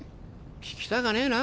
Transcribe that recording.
聞きたかねえな